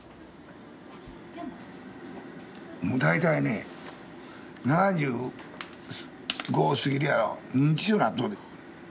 もう大体ね７５過ぎるやろ認知症になっとるで。